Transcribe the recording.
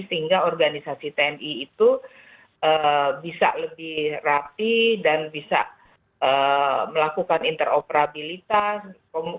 sehingga organisasi tni itu bisa lebih rapi dan bisa melakukan interoperabilitas